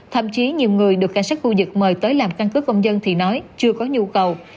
thậm chí nhiều người được cảnh sát khu vực mời tới làm căn cứ công dân thì nói chưa có nhu cầu